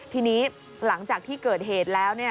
ทีนี้หลังจากที่เกิดเหตุแล้ว